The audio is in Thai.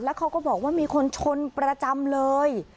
เขาก็บอกว่ามีคนชนประจำเลย